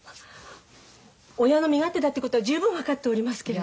親の身勝手だってことは十分分かっておりますけれど。